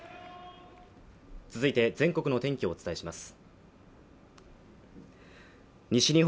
続いて全国の天気をお伝えします。